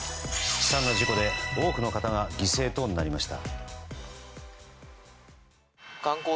悲惨な事故で多くの方が犠牲となりました。